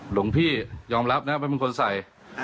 หลวงพี่ยอมรับนะว่าเป็นคนใส่